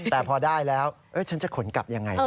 แต่พอได้แล้วฉันจะขนกลับยังไง